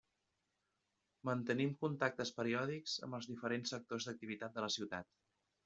Mantenim contactes periòdics amb els diferents sectors d'activitat de la ciutat.